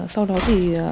sau đó thì